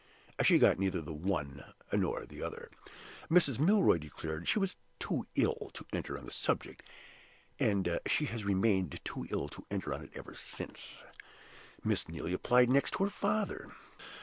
She got neither the one nor the other. Mrs. Milroy declared she was too ill to enter on the subject, and she has remained too ill to enter on it ever since. Miss Neelie applied next to her father.